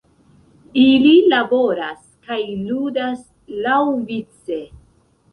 Ili laboras kaj ludas laŭvice.